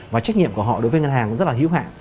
và trách nhiệm của họ đối với ngân hàng cũng rất là hữu hạn